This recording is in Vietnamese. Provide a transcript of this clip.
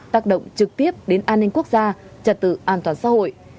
tác động trực tiếp đến an ninh quốc gia trật tự an toàn xã hội